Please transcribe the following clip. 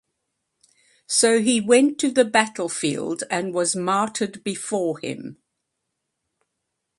So he went to the battlefield and was martyred before him.